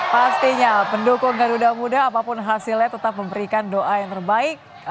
pastinya pendukung garuda muda apapun hasilnya tetap memberikan doa yang terbaik